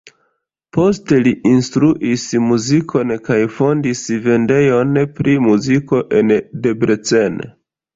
Poste li instruis muzikon kaj fondis vendejon pri muziko en Debrecen.